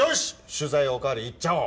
取材お代わり行っちゃおう！